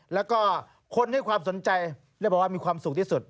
แล้วก็คนให้ความสนใจแล้วบอกว่ามีความสุขที่สุด